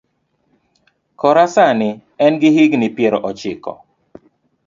Kora sani en gi higni piero ochiko.